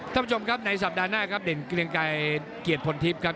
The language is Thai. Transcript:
ท่านผู้ชมครับในสัปดาห์หน้าครับเด่นเกลียงไกรเกียรติพลทิพย์ครับ